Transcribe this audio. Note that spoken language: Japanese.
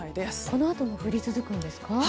このあとも降り続くんですか？